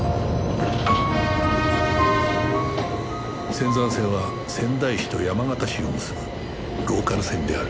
仙山線は仙台市と山形市を結ぶローカル線である